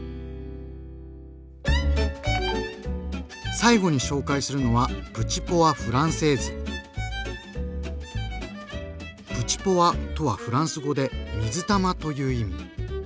最後に紹介するのは「プチポワ」とはフランス語で「水玉」という意味。